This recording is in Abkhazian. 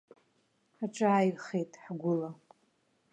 Аҿааирхеит ҳгәыла.